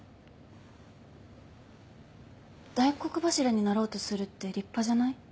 大黒柱になろうとするって立派じゃない？